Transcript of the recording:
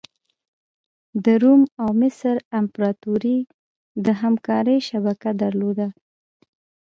د روم او مصر امپراتوري د همکارۍ شبکه لرله.